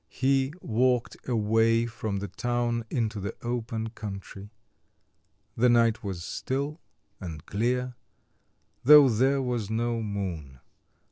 He walked away from the town into the open country. The night was still and clear, though there was no moon.